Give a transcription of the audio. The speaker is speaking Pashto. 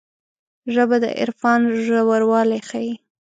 ژبه د عرفان ژوروالی ښيي